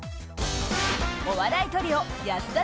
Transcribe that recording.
お笑いトリオ安田